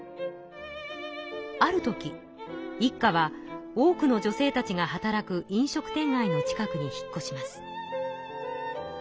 ある時一家は多くの女性たちが働く飲食店街の近くに引っこします。